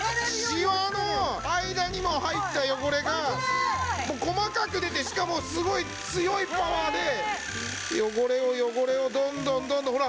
シワの間にも入った汚れが細かく出てしかもすごい強いパワーで汚れを汚れをどんどんどんどんほら！